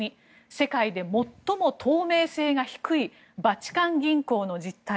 世界で最も透明性が低いバチカン銀行の実態。